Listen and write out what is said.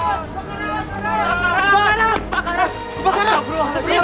pak akan muli didalam malem ratchet diaw